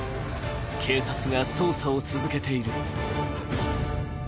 警察が捜査を続けている。